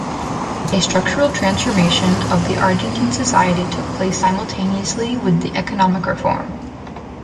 A structural transformation of the Argentine society took place simultaneously with the economic reform.